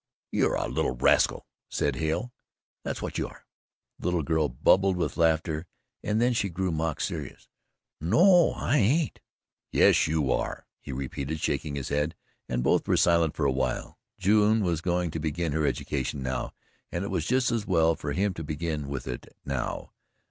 "You're a little rascal," said Hale, "that's what you are." The little girl bubbled with laughter and then she grew mock serious. "No, I ain't." "Yes, you are," he repeated, shaking his head, and both were silent for a while. June was going to begin her education now and it was just as well for him to begin with it now.